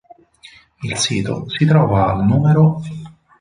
Il sito si trova al nr.